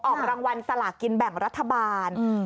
ออกรางวัลสลากินแบ่งรัฐบาล